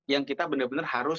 yang kita benar benar harus